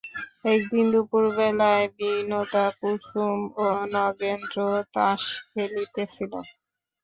একদিন দুপুরবেলায় বিনোদা কুসুম ও নগেন্দ্র তাস খেলিতেছিল।